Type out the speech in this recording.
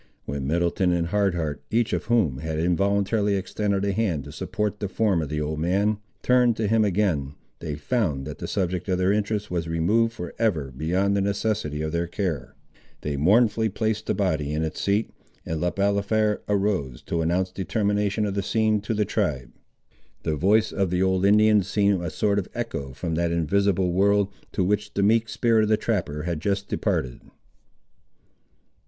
When Middleton and Hard Heart, each of whom had involuntarily extended a hand to support the form of the old man, turned to him again, they found, that the subject of their interest was removed for ever beyond the necessity of their care. They mournfully placed the body in its seat, and Le Balafré arose to announce the termination of the scene, to the tribe. The voice of the old Indian seemed a sort of echo from that invisible world, to which the meek spirit of the trapper had just departed.